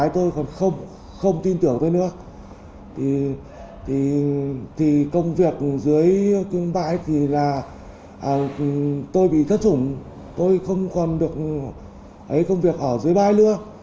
tôi không tin tưởng tới nữa thì công việc dưới bãi thì là tôi bị thất sủng tôi không còn được thấy công việc ở dưới bãi nữa